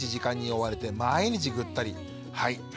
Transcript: はい。